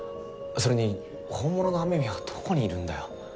それに本物の雨宮はどこにいるんだよ？